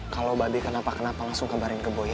kalau mbak b kenapa kenapa langsung kabarin ke boy ya